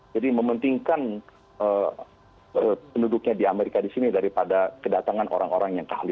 jadi mementingkan penduduknya di amerika di sini daripada kedatangan orang orang yang tidak terkecuali